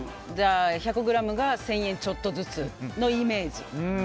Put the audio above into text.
１００ｇが１０００円ちょっとずつのイメージ。